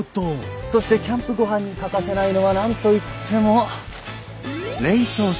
そしてキャンプご飯に欠かせないのは何といっても冷凍食品。